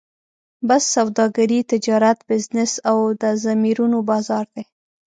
بس سوداګري، تجارت، بزنس او د ضمیرونو بازار دی.